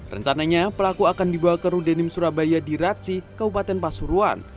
rencananya pelaku akan dibawa ke rudenim surabaya di raci kabupaten pasuruan